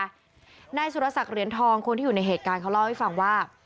นายสุรสักเหรียญทองคนที่อยู่ในเหตุการณ์เขาเล่าให้ฟังว่า